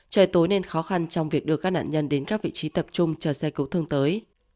trời tối nên khó khăn trong việc đưa các nạn nhân đến các vị trí tập trung chờ xe cứu thương tới